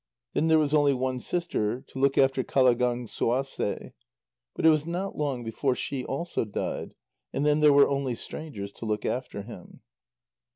Then there was only one sister to look after Qalagánguasê, but it was not long before she also died, and then there were only strangers to look after him.